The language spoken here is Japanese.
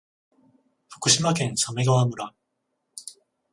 福島県鮫川村